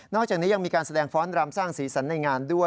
อกจากนี้ยังมีการแสดงฟ้อนรำสร้างสีสันในงานด้วย